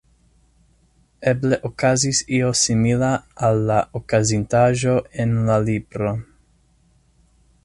Eble okazis io simila al la okazintaĵo en la libro.